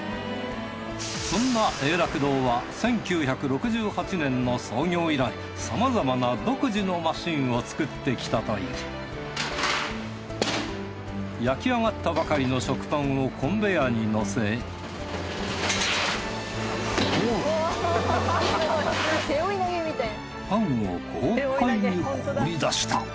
そんな永楽堂は１９６８年の創業以来さまざまな独自のマシンを作ってきたという焼き上がったばかりの食パンをコンベヤに乗せすごい背負い投げみたい。